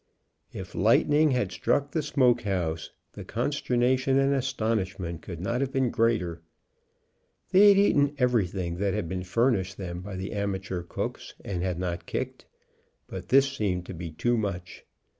If lightning had struck the smokehouse the con sternation and astonishment could not have been greater. They had eaten everything that had been furnished them by the amateur cooks and had not kicked, but this seemed to be too much.